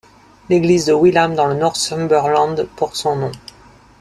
L'église de Wylam, dans le Northumberland, porte son nom.